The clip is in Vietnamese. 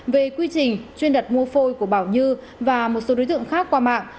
về quy trình chuyên đặt mua phôi của bảo như và một số đối tượng khác qua mạng